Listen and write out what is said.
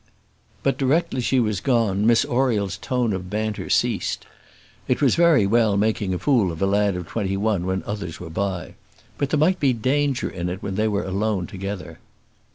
But directly she was gone, Miss Oriel's tone of banter ceased. It was very well making a fool of a lad of twenty one when others were by; but there might be danger in it when they were alone together.